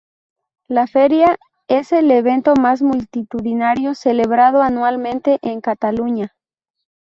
La Feria es el evento más multitudinario celebrado anualmente en Cataluña.